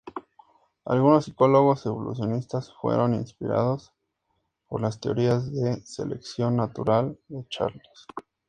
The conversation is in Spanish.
Algunos psicólogos evolucionistas fueron inspirados por las teorías de selección natural de Charles Darwin.